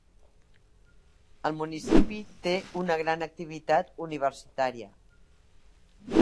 El municipi té una gran activitat universitària.